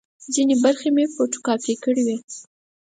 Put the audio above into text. ځینې برخې مې فوټو کاپي کړې وې.